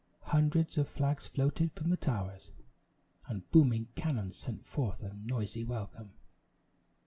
Hundreds of flags floated from the towers, and booming cannon sent forth a noisy welcome.